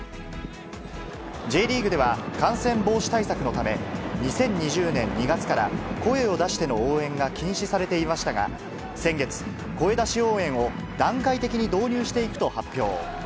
Ｊリーグでは感染防止対策のため、２０２０年２月から声を出しての応援が禁止されていましたが、先月、声出し応援を段階的に導入していくと発表。